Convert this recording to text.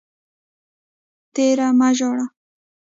تیر ته مه ژاړئ